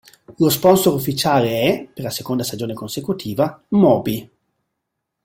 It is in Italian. Lo sponsor ufficiale è, per la seconda stagione consecutiva, "Moby".